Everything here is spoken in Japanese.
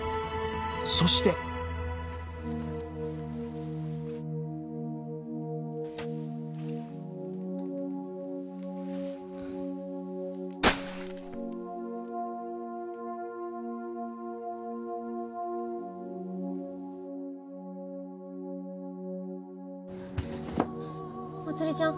そしてまつりちゃん？